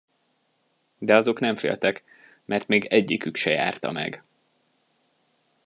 De azok nem féltek, mert még egyikük se járta meg.